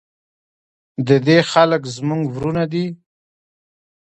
د دې خلک زموږ ورونه دي؟